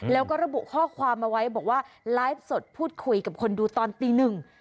แล้วก็ระบุข้อความเอาไว้บอกว่าไลฟ์สดพูดคุยกับคนดูตอนตีหนึ่ง